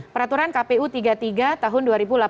peraturan kpu tiga puluh tiga tahun dua ribu delapan belas